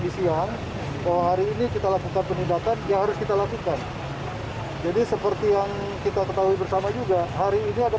pembatasan tersebut diperlukan untuk mengembangkan keuntungan masyarakat